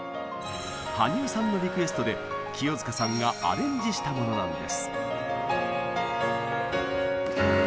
羽生さんのリクエストで清塚さんがアレンジしたものなんです。